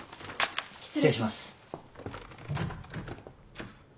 失礼します。